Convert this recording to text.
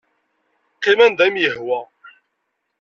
Qqim anda i m-yehwa.